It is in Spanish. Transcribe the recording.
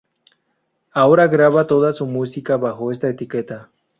Ahora graba toda su música bajo esta etiqueta.